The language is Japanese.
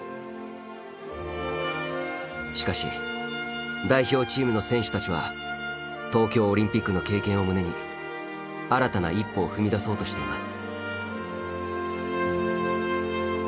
しかし代表チームの選手たちは東京オリンピックの経験を胸に新たな一歩を踏み出そうとしています。